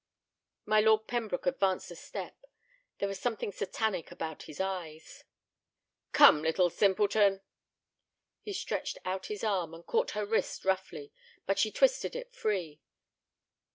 My Lord of Pembroke advanced a step. There was something satanic about his eyes. "Come, little simpleton." He stretched out an arm, and caught her wrist roughly. But she twisted it free.